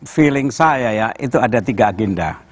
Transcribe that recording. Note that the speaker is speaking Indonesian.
feeling saya ya itu ada tiga agenda